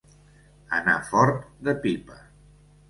Anar fort de pipa.